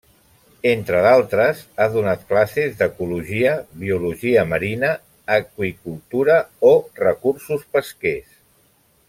Entre d'altres, ha donat classes d'Ecologia, Biologia Marina, Aqüicultura o Recursos pesquers.